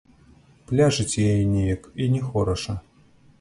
Пляжыць яе неяк і не хораша.